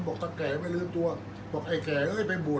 อันไหนที่มันไม่จริงแล้วอาจารย์อยากพูด